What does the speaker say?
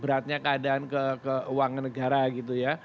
berat beratnya keadaan ke uang negara gitu ya